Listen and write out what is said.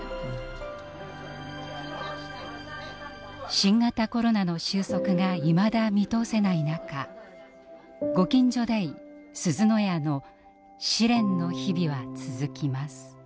新型コロナの収束がいまだ見通せない中ご近所デイ・すずの家の試練の日々は続きます。